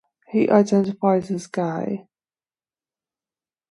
He identifies as gay.